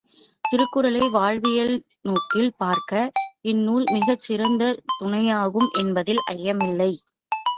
திருக்குறளை வாழ்வியல் நோக்கில் பார்க்க, இந்நூல் மிகச் சிறந்த துணையாகும் என்பதில் ஐயமில்லை.